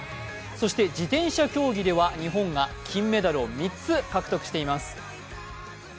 そして自転車競技では日本が金メダルを３つ獲得しています。